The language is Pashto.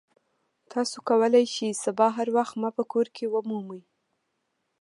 تاسو کولی شئ سبا هر وخت ما په کور کې ومومئ